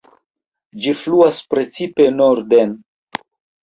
Ĝi fluas precipe norden.